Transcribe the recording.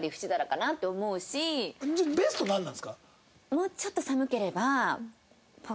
もうちょっと寒ければ。